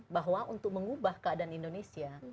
bahwa untuk mengubah keadaan indonesia